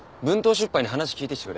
出版に話聞いてきてくれ。